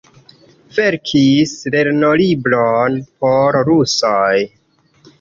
Verkis lernolibron por rusoj.